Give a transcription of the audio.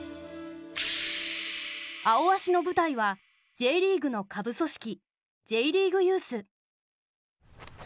「アオアシ」の舞台はＪリーグの下部組織Ｊリーグユース。